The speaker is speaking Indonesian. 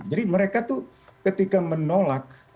jadi mereka ketika menolak